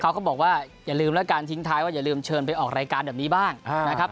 เขาก็บอกว่าอย่าลืมแล้วกันทิ้งท้ายว่าอย่าลืมเชิญไปออกรายการแบบนี้บ้างนะครับ